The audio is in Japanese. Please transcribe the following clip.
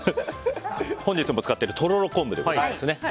本日も使っているとろろ昆布でございます。